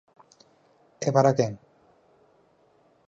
E para quen.